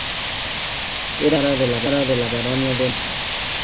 Era heredera de la Baronía de Montseny.